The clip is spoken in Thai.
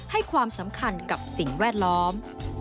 ให้ความสำคัญกับสิ่งแวดล้อม